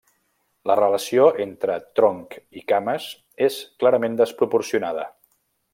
La relació entre tronc i cames és clarament desproporcionada.